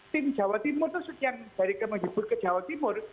tim jawa timur dari kementerian diput ke jawa timur